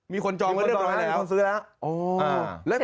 จองไว้เรียบร้อยแล้วมีคนซื้อแล้ว